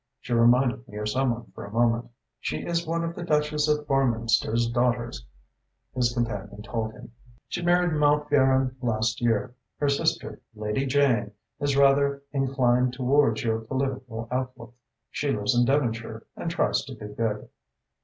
"She reminded me of some one for a moment." "She is one of the Duchess of Barminster's daughters," his companion told him. "She married Mountgarron last year. Her sister, Lady Jane, is rather inclined towards your political outlook. She lives in Devonshire and tries to do good."